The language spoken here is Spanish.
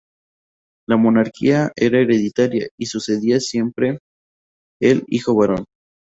La monarquía era hereditaria y sucedía siempre el hijo varón.